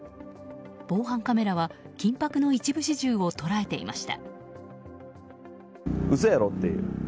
防犯カメラは緊迫の一部始終を捉えていました。